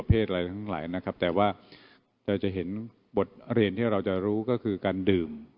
อะไรทั้งหลายนะครับแต่ว่าเราจะเห็นบทเรียนที่เราจะรู้ก็คือการดื่ม